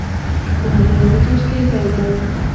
ښوونځی د دوستۍ پیل دی